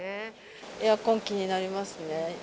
エアコン気になりますね。